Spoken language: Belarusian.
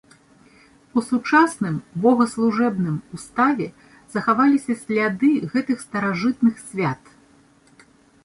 У сучасным богаслужэбным уставе захаваліся сляды гэтых старажытных свят.